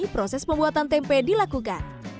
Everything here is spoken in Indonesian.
proses pembuatan tempe dilakukan